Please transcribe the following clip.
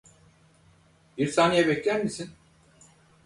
Bir saniye bekler misin?